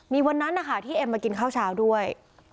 มีวันนั้นนะคะที่เอ็มมากินข้าวเช้าด้วย